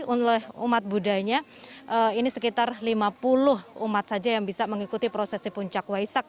oleh umat budaya ini sekitar lima puluh umat saja yang bisa mengikuti prosesi puncak waisak